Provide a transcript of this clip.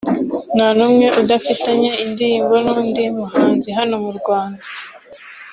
nta n’umwe udafitanye indirimbo n’undi muhanzi hano mu Rwanda